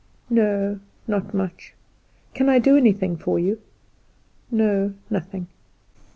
"No, not much." "Can I do anything for you?" "No, nothing."